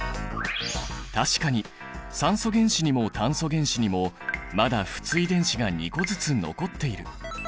確かに酸素原子にも炭素原子にもまだ不対電子が２個ずつ残っている。